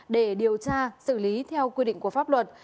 để điều tra xử lý theo quy định của pháp luật